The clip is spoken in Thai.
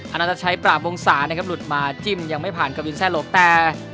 อันดับชายปรากงสารนะครับหลุดมาจิ้มยังไม่ผ่านกับวินแซ่หลกแต่